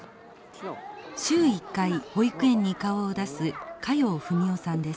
週１回保育園に顔を出す加用文男さんです。